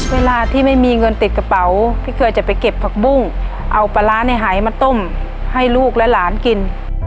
เวลาที่ไม่มีเงินติดกระเป๋าพี่เคยจะไปเก็บผักบุ้งเอาปลาร้าในหายมาต้มให้ลูกและหลานกิน